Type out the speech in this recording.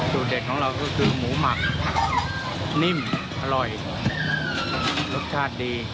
เด็ดของเราก็คือหมูหมักนิ่มอร่อยรสชาติดี